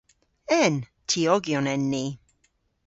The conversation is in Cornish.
En! Tiogyon en ni.